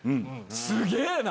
すげぇな！